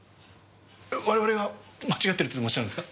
我々が間違ってるとでもおっしゃるんですか？